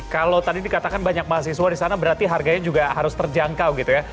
kalau tadi dikatakan banyak mahasiswa di sana berarti harganya juga harus terjangkau gitu ya